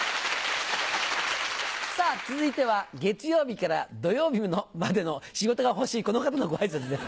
さぁ続いては月曜日から土曜日までの仕事が欲しいこの方のご挨拶です。